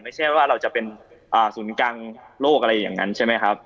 ไม่ใช่ว่าเราจะเป็นศูนย์กลางโลกอะไรอย่างนั้นใช่ไหมครับ